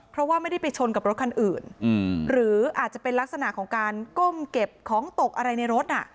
เพราะว่าไม่ได้ไปชนกับรถคันอื่นหรืออาจจะเป็นลักษณะของการก้มเก็บของตกอะไรในรถ